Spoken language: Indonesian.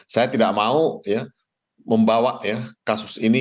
saya tidak mau membawa kasus ini